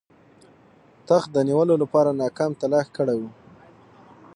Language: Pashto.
تخت د نیولو لپاره ناکام تلاښ کړی وو.